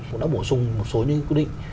cũng đã bổ sung một số những quy định